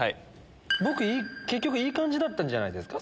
僕結局いい感じだったんじゃないですか。